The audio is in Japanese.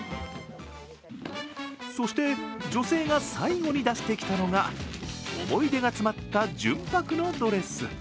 そして女性が最後に出してきたのが、思い出が詰まった純白のドレス。